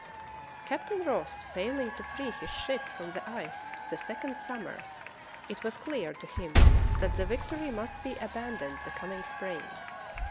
Captain Ross failing to free his ship from the ice the second summer, it was clear to him that the Victory must be abandoned the coming spring.